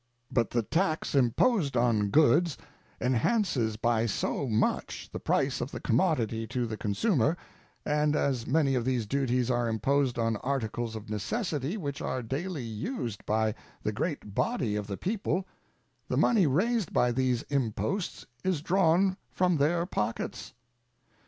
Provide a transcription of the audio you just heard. But the tax imposed on goods enhances by so much the price of the commodity to the consumer, and as many of these duties are imposed on articles of necessity which are daily used by the great body of the people, the money raised by these imposts is drawn from their pockets.